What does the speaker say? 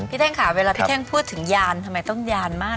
เท่งค่ะเวลาพี่เท่งพูดถึงยานทำไมต้องยานมาก